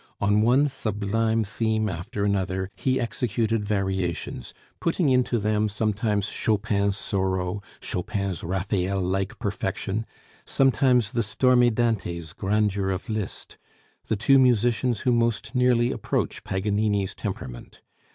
On one sublime theme after another he executed variations, putting into them sometimes Chopin's sorrow, Chopin's Raphael like perfection; sometimes the stormy Dante's grandeur of Liszt the two musicians who most nearly approach Paganini's temperament.